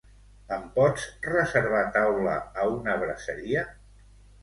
Em pots reservar taula a una braseria?